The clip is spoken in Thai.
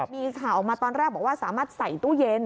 มีข่าวออกมาตอนแรกบอกว่าสามารถใส่ตู้เย็น